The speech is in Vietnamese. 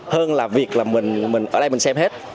hơn là việc là mình ở đây mình xem hết